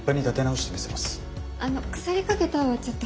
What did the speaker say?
あの腐りかけたはちょっと。